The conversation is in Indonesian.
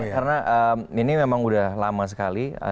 karena ini memang udah lama sekali